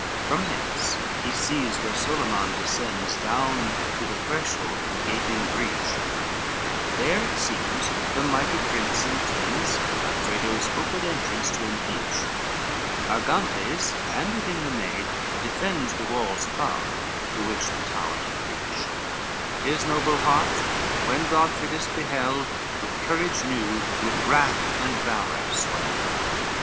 LII From hence he sees where Solyman descends, Down to the threshold of the gaping breach, And there it seems the mighty prince intends Godfredo's hoped entrance to impeach: Argantes, and with him the maid, defends The walls above, to which the tower doth reach, His noble heart, when Godfrey this beheld, With courage new with wrath and valor swelled.